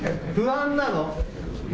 不安なの？